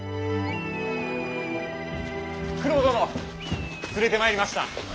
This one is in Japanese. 九郎殿連れてまいりました。